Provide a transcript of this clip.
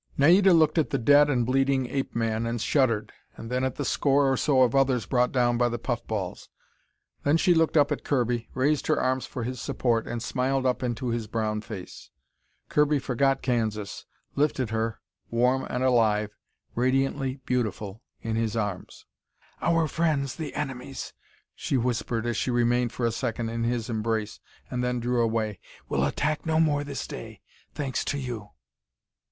Naida looked at the dead and bleeding ape man and shuddered, and then at the score or so of others brought down by the puff balls. Then she looked up at Kirby, raised her arms for his support, and smiled up into his brown face. Kirby forgot Kansas, lifted her, warm and alive, radiantly beautiful, in his arms. "Our friends the enemies," she whispered as she remained for a second in his embrace and then drew away, "will attack no more this day thanks to you."